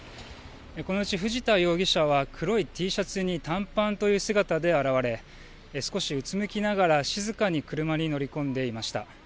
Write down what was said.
このうち藤田容疑者は黒いＴシャツに短パンという姿で現れ少しうつむきながら静かに車に乗り込んでいました。